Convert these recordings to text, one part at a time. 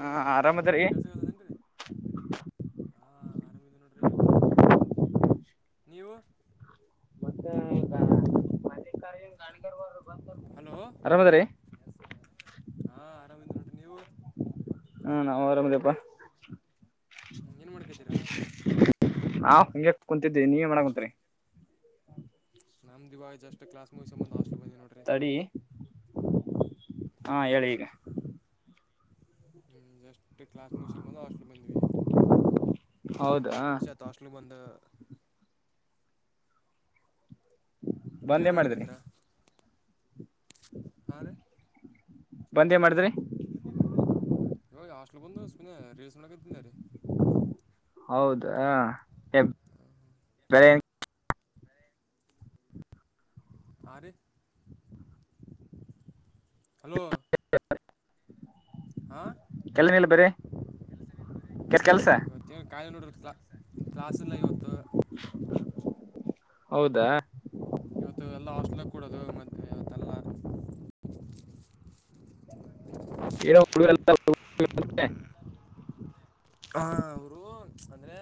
ಹಾ ಆರಾಮದರಿ ಕೆಲ್ಸಗಳಲ್ಲದೇನ್ರಿ ಹಾ ಆರಾಮಿದ್ದ ನೋಡ್ರಿ ನೀವು ಮತ್ತೆ ಈಗ ಮ ಹಲೋ ಆರಾಮದರಿ ಹ ಆರಾಮ ಹ ನೀವುು ಹ್ಮ ನವು ವರಾಮದಪ್ಪ ಹ್ಮ ಏನ್ ಮಾಡ್ಕತೀರಾ ಹಾ ಹಿಂಗಗೆ ಕುೂಂತಿದ್ದೆ ನೀವೇ ಮಾಡ ಕುಂತರಿ ನಮ್ದಿವ ಜಸ್ಟ್ ಕ್ಲಾಸ್ ಮೂವಿ ಸಂಬಂದ ಹಾಸ್ಟ್ಲ್ ಬಂದಿ ನೋಡ್ರಿ ತಡಿ ಹಾ ಹೇಳಿ ಈಗ ಹ್ಮ್ ಜಸ್ ಕ್ಲಾ ನಿಮಿಷ ಬಂದ ಹಾಸ್ಟ್ಲ್ ಬಂದ್ವಿ ಒಂದ್ ಹೌದಾ ಹತ್ತು ನಿಮಿಷ ಹತ್ತು ಹಾಸ್ಟೆಲ್ ಬಂದ ಬಂದೇ ನೀವೇಏನ್ ಮಾಡಿದ್ರಿ ಮಾಡ್ಕತೀರಾ ಹ ಬಂದೇ ಮಾಡಿದ್ರಿ ಹೋಗಿ, ಹಾಸ್ಟೆಲ್ಬಂದು, ಸುಮ್ನೆ, ರೀಲ್ಸ್ ಮಾಡಕತ್ತೀರಿ? [inaudible] ಹೌದ, ಹ, ಹೇಳು, ಬೇರೇನು? [inaudible] ಆ, ರಿ. [inaudible] [unintelligible] [inaudible] ತಾಳ್ಮೆನೀನಾ, ಬೇರೆ? [inaudible] ಕೆಲ್ಸ ಮತ್ತೇನ್ ಕಾಯಿ, ನೋಡೋಕಿಲ, ಕ್ಲಾಸು ಇಲ್ಲ, ಇವತ್ತು. [inaudible] ಹೌದಾ? [inaudible] ಕೊಡೋದು ಮತ್ತೆ, ಯಾವತ್ತಲ್ಲ? [unintelligible] [unintelligible] [inaudible] ಹ, ಅವರು ಅಂದ್ರೆ!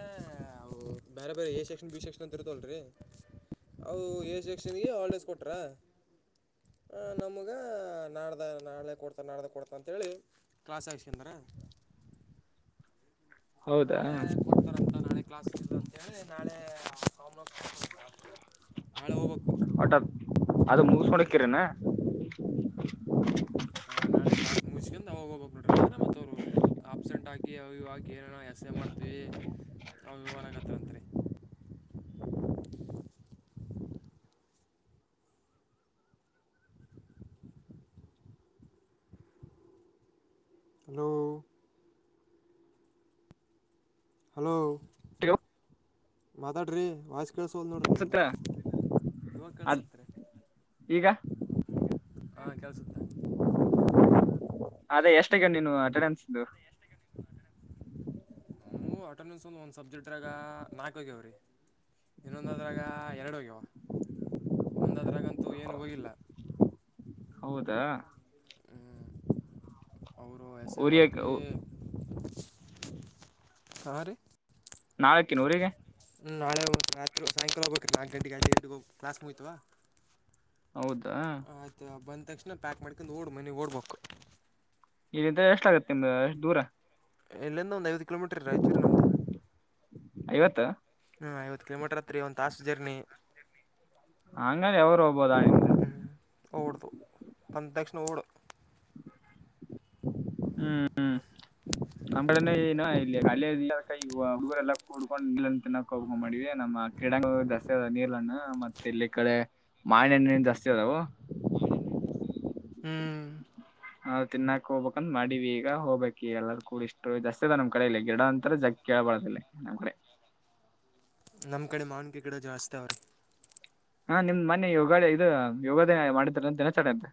ಬೇರೆ, ಬೇರೆ, ಎ, ಸೆಕ್ಷನ್. ಬಿ ಸೆಕ್ಷನ್, ಅಂತ ಇರ್ತಲ್ರಿ? [inaudible] ಹೌದು, ಎ ಸೆಕ್ಷನ್ಗೆ! Hall ticket ಕೊಟ್ರಾ? [inaudible] ಹ, ನಮಗ ನಾಡ್ದ! ನಾಳ್ದೆ ಕೊಡ್ತ ನಾಡ್ದ ಕೊಡ್ತ ಅಂತೇಳಿ ಕಾಸ್ ಹಾಕಿಸ್ಕೊಂಡವರ. [inaudible] [inaudible] [unintelligible] ಹೌದಾ ನಾಳೆ, ಕೊಟತಾರಂತ! ನಾಳೆ ಕ್ಲಾಸ್ ಇಲ್ಲ ಅಂತೇಳಿ ನಾಳೆ, ಹಾ? [inaudible] ಹೋಗ್ಬೇಕು ವಾಟರ್, ಅದು ಮುಗಿಸಕೊಂಡಕ್ಕಿರನಾ? [inaudible] [inaudible] [unintelligible] ಹಾ, ನಾಳೆ ಕ್ಲಾಸ್! ಮುಗಸ್ಕೊಂಡು! ಅವಾಗ ಹೋಗ್ಬೇಕಕ್, ಇಲ್ಲಾಂದ್ರೆ, ಮತ್ತೆ, ಆಬ್ಸೆಂಟ್, ಹಾಕಿ. [inaudible] ಅವ, ಇವಾಗ, ಏನು, ಎಸ್ಸೆ ಮಾಡ್ತಾವಿ, ಮಾಡಕತ್ತಾ ಅಂತರಿ? [unintelligible] ಹಲೋ. [inaudible] ಹಲೋ! [inaudible] [unintelligible] [inaudible] ಮಾತಾಡ್ರಿ, ವಾಯ್ಸ್ ಕೇಳಸಲ್, ನೋಡ್ರಿ! ಅನ್ಸುತ್ತ ನಿಮ್ದು ಇವಾಗ, ಕೇಳಿಸ್ತೆ ಅದ್ ನೋಡ್ರಿ? ಈಗ [inaudible] ಹಾ, ಕೆಲ್ಸುತ್ತೆ? [inaudible] ಅದೇ, ಎಷ್ಟು ಗೆ ನೀನು ಅಟೆಂಡೆನ್ಸ್. [inaudible] ನಮ್, ಅಟೆಂಡೆನ್ಸ್ ಸಬ್ಜೆಕ್ಟ್ ದಾಗ? [inaudible] ಇದ್ದಗ, ಅವರಿ, ಇನ್ನೊಂದದ್ರಾಗ, ಎರಡು ಹೋಗ್ಯಾವ? [inaudible] ಒಂದದ್ರಾಗಂತೂ, ಏನು ಹೋಗಿಲ್ಲ? [inaudible] ಹೌದಾ! [inaudible] ಹ್ಮ್, ಅವರು ಹೆಸೇ, ಊರಿಗೆ ಮಾಡ್ತೀವಿ.. [unintelligible] ಹಾರು? [unintelligible] ನಾಲ್ಕಿನೂರಿಗೆ? [unintelligible] ಹ್ಮ್ಮ್, ನಾಳೆ ಹೋಗು, ಸಾಯಂಕಾಲ, ಹೋಗ್ಬೇಕ್ರಿ, ನಾಲ್ಕು ಗಂಟೆಗೆ, ಅಐದು ಗಂಟೆಗೆ ಹೋಗಿ ಕ್ಲಾಸ್ ಮುಗಿತವಾ? [inaudible] ಹೌದಾ! [inaudible] ಆಯ್ತು ಬಂದ ತಕ್ಷಣ ಪ್ಯಾಕ್ ಮಾಡಿಕೊಂಡು ಓಡು, ಓಡ ಬೇಕು ಮನೆಗೆ? [inaudible] ಇಲ್ಲಿಂದ ಎಷ್ಟಾಗುತ್ತೆ ನಿಂದು ದೂರ? [inaudible] ಇಲ್ಲಿಂದ, ಒಂದ್ ಐವತ್ತು ಕಿಲೋಮೀಟರ್! ರಾಯಚೂರು, ನಮ್ದು ಐವತ್ತು ಹಾ, ಐವತ್ತು. [inaudible] ಕಿಲೋಮೀಟ್ರ್, ಹತ್ರರಿ ಒಂದು ತಾಸು ಜರ್ನಿ? [inaudible] ಹಂಗನ್, ಅವರು, ಒಬ್ಬ. [unintelligible] ಬಂದು, ತಕ್ಷಣ, ಹೋಗುಬಿಡು. [inaudible] ಹ್ಮ್, ಹ್ಮ್. [inaudible] ನಮ್ಮೂರಾಗ ಏನು ಇನ್ನೂ, ಅಲೈ, ಇಲ್ಲಿ, ಹಕ್ಕಿ ಹುಡ್ಕೊಂಡ್, ನಿಂತಕ್ಕ ಹೋಗಕೊಂಡ ಮಾಡಿವ. [unintelligible] ನಮ್ಮ, ಆಕಡೆ, ಧಹಸೆ, ನೀರನ್ನು ಮತ್ತೆ ಇಲ್ಲಿ ಕಡೆ? [inaudible] ಮಾವಿನ ಹಣ್ಣು, ಜಾಸ್ತಿ ಅದಾವೂ. [inaudible] ಹ್ಮ್. [inaudible] ನಾವು, ತಿನ್ನಾಕ್ ಹೋಗ್ಬೇಕಂದ್! ಮಾಡೀವಿ ಈಗ ಹೋಗ್ಬೇಕಕ್, ಎಲ್ಲಾರೂ, ಕೂಡಿ ಇಷ್ಟು ಜಾಸ್ತಿ, ನಮ್ ಕಡಲ್ಲ ಗಿಡ ಅಂತರ ಜಕ್ಕೆ. [unintelligible] ಬರೋದಿಲೈ, ನಮ್ಮ ಕಡೆ? [inaudible] ನಮ್, ಕಡೆ, ಮಾವಿನಕಾಯಿ ಗಿಡ, ಜಾಸ್ತಿ, ಅವಾರೇ? [unintelligible] ಹಾ- ನಿಮ್ದ್ ಮನೆ ಯೋಗ ಇದು ಯೋಗಾದ ಮಾಡಿದಾರಂತ ದಿನಚರಣ ಅಂತೆ.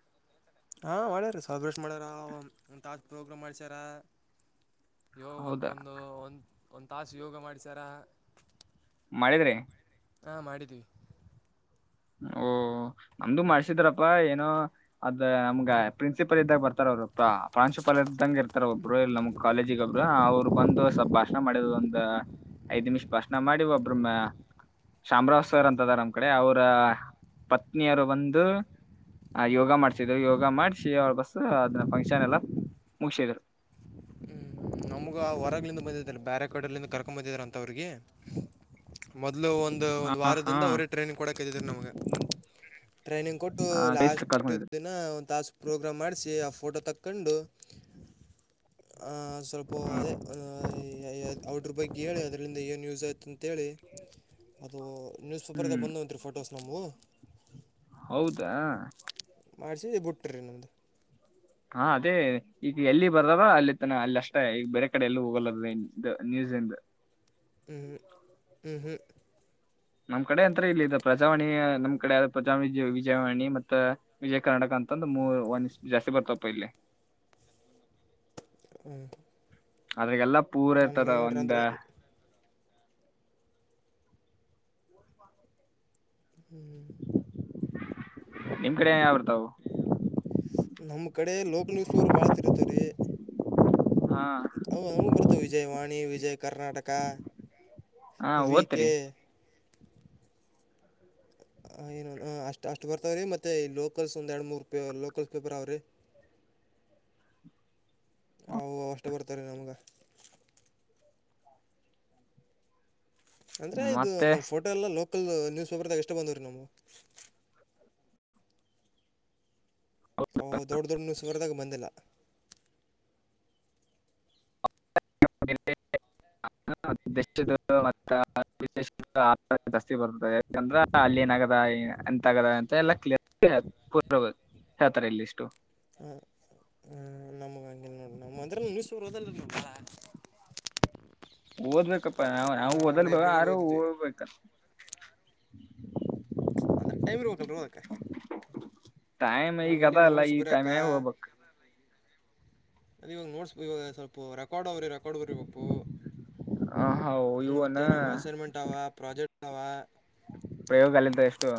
ಹಾ, ಮಾಡ್ಯಾರ! ಸೆಲೆಬ್ರೇಟ್ ಮಾಡ್ಯಾರ, ತಾತು, ಪ್ರೋಗ್ರಾಮ್ ಮಾಡಸ್ಯಾರ? [inaudible] ಯೋ, ಒಂದು, ಹೌದಾ ಒಂದು, ಒಂದು, ಒಂದು, ತಾಸು ಯೋಗ ಮಾಡಿಸಾರ? [inaudible] ಮಾಡಿದ್ರಿ. ಹಾ ಮಾಡಿದೀವಿ. ಓ ನಮ್ದು ಮಾಡಸಿದ್ರಪ್ಪಾ ಏನೋ ಅದ್ ನಮ್ಗ ಪ್ರಿನ್ಸಿಪಲ್ ಇದ್ದಗ ಬರ್ತಾರ. ಪ್ರ ಪ್ರಾನ್ಸಿಪಾಲ್ ಇದ್ದಂಗ ಇರ್ತಾರ ಒಬ್ರು, ಇಲ್ಲಿ ನಮ್ ಕಾಲೇಜಿಗ ಒಬ್ರು, ಅವ್ರು ಬಂದು ಭಾಷಣ ಮಾಡ ಒ ಐದ್ ನಿಮಿಷ ಭಾಷಣ ಮಾಡಿ ಒಬ್ಬ್ರ ಚಾಮರಾವ್ ಸರ್ ಅಂತ. ಅದರಾ ನಮ್ಮ್ ಕಡೆ ಅವರು, ರ ಪತ್ನಿಯರು ಬಂದು, ಆ ಯೋಗ ಮಾಡ್ಸಿದ್ರು ಯೋಗ ಮಾಡಿಸಿ ಅವ ಬಸ್ ಅದನ್ನ ಫಂಕ್ಷನ್ ಎಲ್ಲ ಮುಗಿಸಿದ್ರು. [inaudible] ಹ್ಞೂ ನಮ್ಗೆ ಆ ಹೊರಗ್ಲಿಂದ ಬಂದಿದ್ದಾರೆ ಬ್ಯಾರೆ ಕಡಲ್ಲಿಿಂದ ಕರ್ಕೊ ಬಂದಿದ್ರ ಅಂತ ಅವ್ರಿಗಿ. ಮೊದ್ಲು ಒಂದು ಒಂದು ಹ ಹಾ ವಾರದಿಂದ ಅವರೇ ಟ್ರೈನಿಂಗ್ ಕೊಡಕ ಕೂತಿದ್ರು ನಮ್ಗ. ಟ್ರೈನಿಂಗ್ ಕೊಟ್ಟು, ಬೇಸ್ಲು ಲಾಸ್ಟ್ ಕರ್ಕೊಂಡಿದ್ರು ದಿನ ಒಂದ್ ತಾಸು, ಪ್ರೋಗ್ರಾಮ್ ಮಾಡಿಸಿ, ಆ ಫೋಟೋ ತಕ್ಕೊಂಡು, ಆ ಸಾಥ್ ಓ ಅದೇ ಅವಟ್ರ ಬಗ್ಗೆ ಹೇಳಅದರಲಿಂದ ಏನು ಯೂಸ್ ಆಯತು ಅಂತ ಅಂತೇಳಿ ಅದು ನ್ಯೂಸ್ ಪೇಪರದಗ ಹ್ಮ್ ಬಂದವಂತರೀ ಫೋಟೋಸ್ ನಮವು. ಹೌದಾ. ಮಾಡಿಸಿದ್ದ ಬುಟ್ಟ್ರ ನಿಮ್ದು. ಹಾ ಅದೇ ಈಗ ಎಲ್ಲಿ ಬರ್ದವ ಅಲ್ಲಿ ತನ ಅಲ್ಲಿ ಅಷ್ಟೇ ಈಗ ಬೇರೆ ಕಡೆ ಎಲ್ಲೂ ಹೋಗಲ್ಲ ಅದು. [inaudible] ಹ್ಮ, ಹ್ಮ, ಹ್ಮ, ಹ್ಮ ನಮ್ ಕಡೆ ಅಂತ್ರ ಇಲ್ಲಿ ಪ್ರಜಾವಾಣಿ, ನಮ್ ಕಡೆ ಪ್ರಜಿ ವಿಜಯವಾಣಿ, ಮತ್ತೆ ವಿಜಯ ಕರ್ನಾಟಕ, ಅಂತಂದು ಮೂ ಒಂದ ಜಾಸ್ತಿ ಬರ್ತಪ್ಪ ಇಲ್ಲಿ. ಹ್ಮ. ಅದ್ರಗೆಲ್ಲ ಪೂರ ಇರ್ತದ. ಒಂದ, ನಿಮ್ ಕಡೆ ಯಾವುರ್ತವು. ನಮ್ ಕಡೆ ಲೋಕ್ ನ್ಯೂಸ್ ಅವರು ಬಾಳತ ಇರ್ತಾವರಿ. ಹಾ ಅವುವು ಬರ್ತಾವ ವಿಜಯ್ ವಾಣಿ, ವಿಜಯ್ ಕರ್ನಾಟಕ, ಹಾ ಓದ್ತರಿ ವಿಕೆ, ಏನ ಅಷ್ಟ್ ಅಷ್ಟ್ ಬರ್ತಾವ್ರೀ. ಮತ್ತೆ ಲೋಕಲ್ಸ್ ಒಂದ್ ಎರಡು ಮೂರ್ ಪೇ ಲೋಕಲ್ಸ್ ಪೇಪರ್ ಅವ್ರಿ. [inaudible] ಅವು ಅಷ್ಟು ಬರ್ತಾವರಿ ನಮ್ಗ. ಅಂದರೆ ಇದು ಮತ್ತೆ ನಮ್ಮ ಫೋಟೋ ಎಲ್ಲ ಲೋಕಲ್ ನ್ಯೂಸ್ ಪೇಪರ್ದಾಗ ಅಷ್ಟೇ ಬಂದವರೀ ನಮ್ಮವು. ಅ ದೊಡ್ಡ ದೊಡ್ಡ ನ್ಯೂಸ ನೋಡ್ದಾಗ ಬಂದಿಲ್ಲ. [unintelligible] ಬರ್ತದೆ ಯಾಕಂದ್ರ ಅಲ್ಲಿ ಏನ್ ಆಗ್ಯದ. [unintelligible] ಅಂತ ಎಲ್ಲ ಕ್ಲಿಯರ್ ಪ ಹೇಳ್ತಾರೆ ಇಲ್ಲಿ ಇಷ್ಟು ಹ್ಮ. ನಮಗ ಹಂಗಿಲ್ಲ ನೋಡ ನಮ [unintelligible] ಓದ್ಬೇಕಪ್ಪಾ ನಾವ ನಾವು ಓದಲ್ ಬಿಡ್ ಲೈಬ್ರರಿಗೆ ಆದ್ರೂ ಓದಿದ್ವಿ ಓದ್ಬೇಕ. ಅಂದ್ರ ಟೈಮ್ ಬೇಕಲ್ಲ ರಿ ಓದಕ್ಕ. ಟೈಮ್ ಈಗ ಅದ ಅಲ್ಲ ಈ ಟೈಮನಗ ಹೋಗ್ಬಕ್. ಅದ ಇವಾಗ ನೋಟ್ಸ್ ಇವಾಗ ಸ್ವಲ್ಪ. ರೆಕಾರ್ಡ್ ಆವರಿ ರೆಕಾರ್ಡ್ ಬರೀಬೇಕು, ಹ ಇವನ ಮತ್ತೆ ನಮ್ ಅಸೈನ್ಮೆಂಟ್ ಅವ, ಪ್ರಾಜೆಕ್ಟ್, ಆವಾ, ಪ್ರಯೋಗಾಲ ಎಸ್ಟು.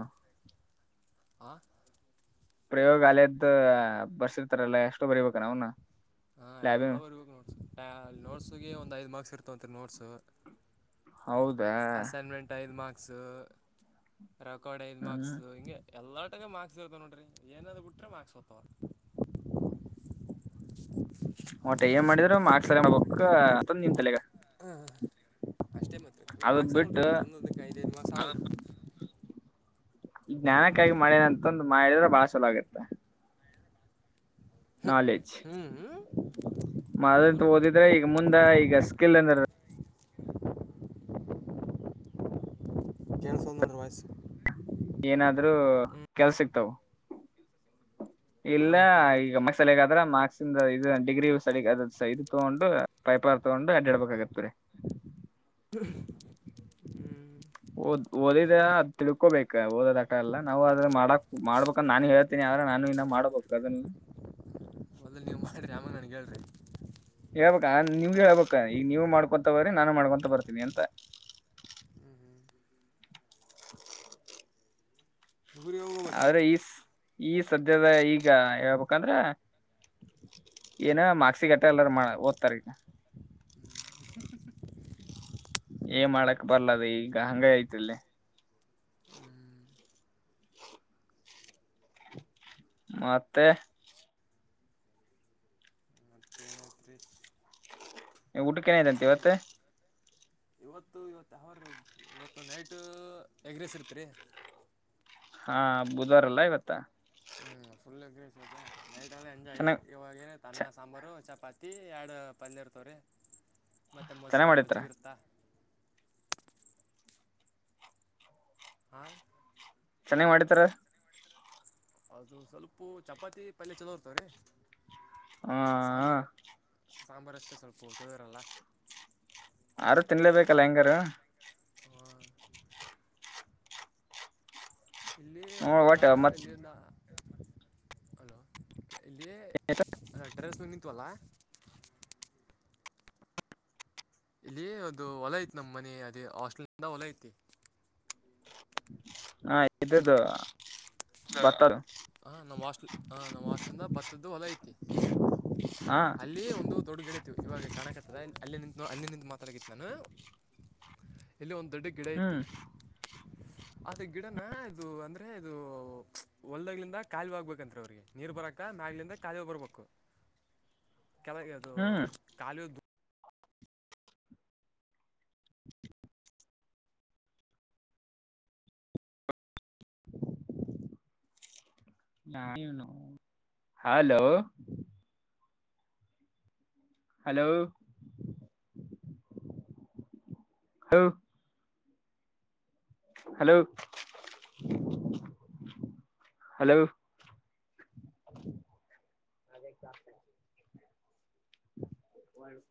ಆ, ಪ್ರಯೋಗಾಲಯದ್ದು ಬರ್ಸಿರ್ತಾರಲ್ಲ ಅಷ್ಟು ಬರಿಬೇಕ ಏನ ಅವನ. ಹಾ ಎಲ್ಲ ಬರೀಬೇಕ ನೋಡ್ ನೋಟ್ಸ್ ನೋಟ್ಸಗೆ ಒಂದ್ ಐದು ಮಾರ್ಕ್ಸ್ ಇರ್ತವಂತರಿ. ನೋಟ್ಸ್, ಹೌದಾ ಅಸೈನ್ಮೆಂಟ್ ಐದು ಮಾರ್ಕ್ಸ, ರೆಕಾರ್ಡ್ ಐದು ಮಾರ್ಕ್ಸ, ಹ್ಮ್ ಹಿಂಗೆ ಎಲ್ಲಾಟಗ ಮಕ್ಸ್ ಇರ್ತವ ನೋಡ್ರಿ, ಏನ್ನಾನ್ ಬಿಟ್ರೆ ಮಾರ್ಕ್ಸ್ ಹೋತವ. ಹೊಟ್ಟೆ ಏನ್ ಮಾಡಿದ್ರು ಮಾರ್ಕ್ಸ್ ಮಾಡಬೇಕ್ ಅಂತ ಇರ್ತದ ನೀನ್ ತಲೆಗ. ಹ್ಮ ಅಷ್ಟೇ ಮತ್ ಅದು ಮಾರ್ಕ್ಸ್ ಆವಲ್ರಿ ಬಿಟ್ಟು ಮತ್ತೆ ಒಂದೊಂದಕ್ಕ ಐದದು ಮಾರ್ಕ್ಸ್ ಆವಲ್ರಿ ಈ ಜ್ಞಾನಕ್ಕಾಗಿ ಮಳೆಂತಂದು ಮಾಡಿದ್ರೆ ಬಾಳ ಚಲೋ ಆಗತ್ತೆ ಹ್ಮ್ ಹ್ಮ್ ಹ್ಮ್ ಮಾದಂತ ಓದಿದ್ರೆ ಈಗ ಮುಂದ ಈಗ ಅಸ್ಕಿಲ್ ಅಂದ್ರ [unintelligible] ಕೆಲಸೊ ವಲ್ಲದು ನೋಡ್ರಿ ವಾಯ್ಸ್ ಏನಾದ್ರರು ಹ್ಞೂ ಕೆಲ್ಸ ಸಿಕ್ತಾವ ಇಲ್ಲ ಹಾಂ ಹ್ಞೂ ಈಗ ಮ ಸಲಗ ಆದ್ರ ಮಕ್ಸಂದ ಇದು ಡಿಗ್ರಿ ಸ [unintelligible] ಸೈದು ತಗೊಂಡು ಪೈಪಾರ್ ತಗೊಂಡು ಅಡ್ಡಾಡ್ಬೇಕಾಗಿತ್ರ ಹ್ಮ್ ಓದ್ ಓದಿದ ಅ ತಿಳ್ಕೋಬೇಕ ಓದೋದ ಅಟ ಎಲ್ಲ ನಾವು ಅದ್ರೆ ಮಾಡಕ್ ಮಾಡ್ಬೇಕಂದ ನಾನು ಹೇಳ್ತೇನಿ ನಾನು ಇನ್ನ ಮಾಡಬೇಕು ಅದ ನೀ ಮೊದ್ಲ್ ನೀವು ಮಾಡ್ರಿ ಆಮಾಗ ನನ್ಗೆ ಹೇಳ್ರಿ ಹೇಳ್ಬಕಾ ನಿಮ್ಗೆ ಹೇಳ್ಬೇಕ ಈಗ ನೀವು ಮಾಡ್ಕೊಂತ ಹೋಗ್ರಿ ನಾನು ಮಾಡ್ಕೊಂತ ಬರ್ತೀನಿ ಅಂತ [inaudible] [inaudible] ಊರಿಗೆ ಹೋಗ್ಬೇಕ್ರಿ ಆದ್ರೆ ಈ ಈ ಸದ್ಯದ ಈಗ ಹೇಳ್ಬೇಕಂದ್ರ ಏನ ಮಾಕ್ಸಿಗಟ್ಟೆ ಎಲ್ಲಾ ಓದ್ತಾರ ಈಗ ಏ ಮಾಡಕ್ ಬರ್ಲದ ಈಗ ಹಂಗ ಐತಿಲ್ಲಿ ಮತ್ತೆ ಮತ್ತೇನತ್ರಿ ಊಟಕ್ಕೆ ಏನಗ್ಯಾದಂತ ಇವತ್ತ ಇವತ್ತು ಇವತ್ತು ಯಾವ ವಾರರಿ ಇವತ್ತು ನೈಟ್ ಎಗ್ರೆಸ್ ಇರ್ತ್ರಿ ಹಾ ಬುಧವಾರಲ್ಲ ಇವತ್ತ ಹ್ಮ್ ಫುಲ್ ಎಗ್ರಾಯ್ಸ್ ಇವತ್ತು ನೈಟ್ ಎಂಜಾಯ್ ಚೆನ್ನಾಗ್ ಇವಾಗ ತನ್ನ ಸಾಂಬಾರು ಚ ಪತಿ ಎರಡು ಪಲ್ಲೆ ಇ ರ್ತವ್ರಿ ಮತ್ತೆ ಚೆನ್ನಾಗ್ ಮೊಸರು ಮಾಡಿರ್ತಾರ ಮಜ್ಜಗಿ ಇರ್ತ್ತಾ ಹ ಚೆನ್ನಾಗ್ ಮಾಡಿತಾರ ಅದು ಸ್ವಲ್ಪ ಚಪಾತಿ ಪಲ್ಯ ಚಲೋ ಬರ್ತವ್ರೀ ಆ ಸಾಂಬಾರಷ್ಟೇ ಸ್ವಲ್ಪ ಚಲೋ ಇರಲ್ಲ ಯಾರು ತಿನ್ಲೇಬೇಕಲ್ಲ ಹೆಂಗಾರ ಇಲ್ಲಿ ಹ್ಮ ಒಬ್ಬೊತ್ತಾ ಒಟ್ಟ ಮತ್ ಇಲ್ಲಿಂದ ಹಲೋ ಇಲ್ಲಿ ಟೆರೇಸ್ ಮ್ಯಾಗ ನಿಂತಿವಲ್ಲ ಇಲ್ಲಿ ಅದು ಹೊಲ ಐತಿ ನಮ್ ಮನಿ ಅದೇ ಹಾಸ್ಟೆಲ್ ನಿಂದ ಹೊಲ ಐತಿ ಹಾ ಇದದು ಹ ನಮ್ ಹಾಸ್ಟೆಲ್ ಅ ನಮ್ ಹಾಸ್ಟೆಲ್ ಹಿಂದ ಭತ್ತದ್ದು ಹೊಲ ಐತಿ ಹಾ ಅಲ್ಲಿ ಒಂದು ದೊಡ್ಡಗಿಡ ಐತಿ ಇವಾಗ ಕಣಕ ಸದ ಅಲ್ಲಿ ನಿಂತು ಅಲ್ಲಿ ನಿಂತು ಮಾತಾಡಾಕತ್ತೀನಿ ನಾನು ಇಲ್ಲಿ ಒಂದು ದೊಡ್ಡ ಗಿಡ ಐತಿ ಹ್ಮ್ ಅದು ಗಿಡನ ಇದು ಅಂದ್ರೆ ಇದು ಒಲ್ಗ್ದ ಖಾಲಿ ಆಗಗ್ಬೇಕಂತ್ರಿ ಅವ್ರಿಗೆ ನೀರ್ ಬರಕ ಮ್ಯಾಗಲಿಂದ ಖಾಲಿ ಹಿ ಬರ್ಬೇಕು [inaudible] ಕೆಲಗೆ ಅದು ಹ್ಮ್ ಕಾಲಿಯ [inaudible] ಹಲೋ ಹಲೋ ಹ ಹಲೋ ಹಲೋ ಒ